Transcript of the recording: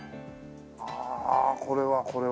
ああこれはこれはまた。